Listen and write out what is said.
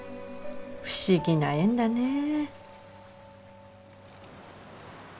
不思議な縁だねぇ。